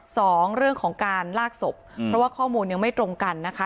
สองเรื่องของการลากศพเพราะว่าข้อมูลยังไม่ตรงกันนะคะ